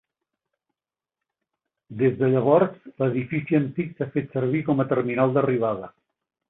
Des de llavors, l'edifici antic s'ha fet servir com a terminal d'arribada.